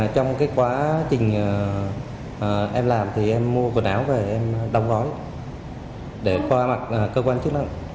trong quá trình em làm thì em mua quần áo và em đóng gói để qua mặt cơ quan chức năng